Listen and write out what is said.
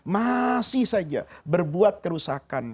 masih saja berbuat kerusakan